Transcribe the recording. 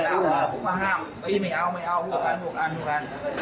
ตัวนี้ตัวนี้ในกระเป๋าเรื่องนั้น